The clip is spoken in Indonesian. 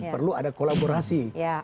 perlu ada kolaborasi